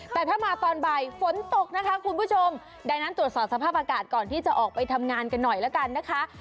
แต่ถ้ามาตอนบ่ายฝนตกนะคะคุณผู้ชมดังนั้นตรวจสอบสภาพอากาศก่อนที่จะออกไปทำงานกันหน่อยละกันนะคะ